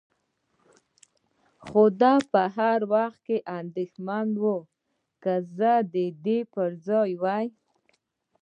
خو دی به هر وخت اندېښمن و، که زه د ده پر ځای وای.